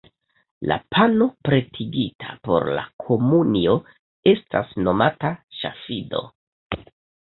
La pano pretigita por la komunio estas nomata "ŝafido".